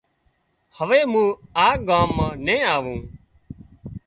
هوي مُون آ ڳام مان نين آوون